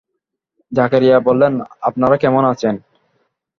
জাকারিয়া বললেন, আপনারা কেমন আছেন?